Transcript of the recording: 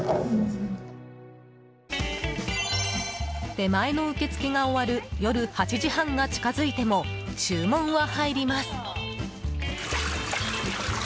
出前の受け付けが終わる夜８時半が近づいても注文は入ります。